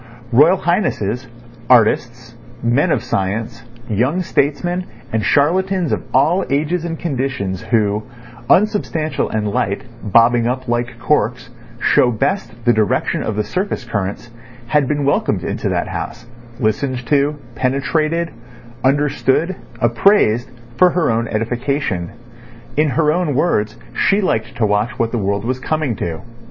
Royal Highnesses, artists, men of science, young statesmen, and charlatans of all ages and conditions, who, unsubstantial and light, bobbing up like corks, show best the direction of the surface currents, had been welcomed in that house, listened to, penetrated, understood, appraised, for her own edification. In her own words, she liked to watch what the world was coming to.